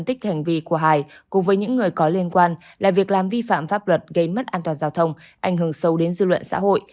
tích hành vi của hải cùng với những người có liên quan là việc làm vi phạm pháp luật gây mất an toàn giao thông ảnh hưởng sâu đến dư luận xã hội